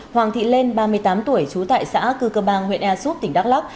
hoàng thị lên ba mươi tám tuổi trú tại xã cư cơ bang huyện ea xúc tỉnh đắk lắk